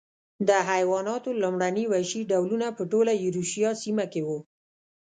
د حیواناتو لومړني وحشي ډولونه په ټوله ایرویشیا سیمه کې و.